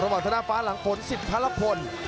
ระบบอันทนาฟ้าหลังฝนสิทธิ์พระรับฝน